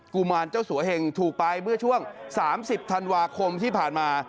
กุมารเจ้าสัวเหงถูกไปเมื่อช่วง๓๐ธันวาคมที่ผ่านมา